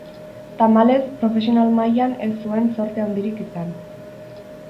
Tamalez, profesional mailan ez zuen zorte handirik izan.